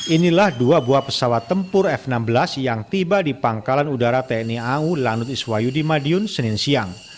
inilah dua buah pesawat tempur f enam belas yang tiba di pangkalan udara tni au lanut iswayudi madiun senin siang